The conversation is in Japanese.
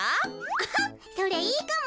アハそれいいかも。